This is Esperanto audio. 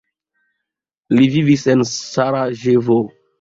Li vivis en Sarajevo.